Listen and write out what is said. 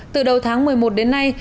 từ đầu tháng một mươi một đến nay